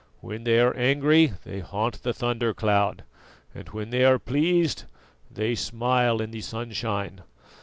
When they are angry they haunt the thunder cloud, and when they are pleased they smile in the sunshine.